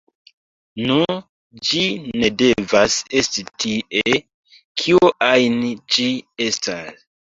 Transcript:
“Nu, ĝi ne devas esti tie, kio ajn ĝi estas.